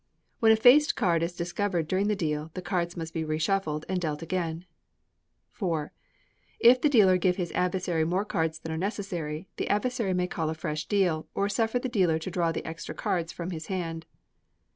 When a faced card is discovered during the deal, the cards must be reshuffled, and dealt again. iv. If the dealer give his adversary more cards than are necessary, the adversary may call a fresh deal, or suffer the dealer to draw the extra cards from his hand.